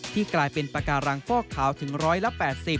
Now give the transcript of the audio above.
กลายเป็นปากการังฟอกขาวถึงร้อยละ๘๐